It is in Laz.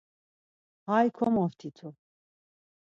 Hay komoft̆itu.